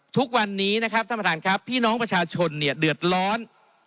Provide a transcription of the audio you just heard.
ทุกวันนี้นะครับท่านประธานครับพี่น้องประชาชนเนี่ยเดือดร้อน